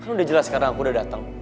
kan udah jelas sekarang aku udah dateng